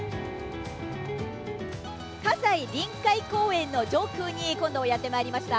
葛西臨海公園の上空にやってまいりました。